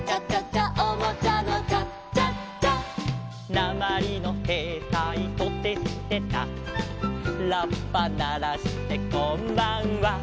「なまりのへいたいトテチテタ」「ラッパならしてこんばんは」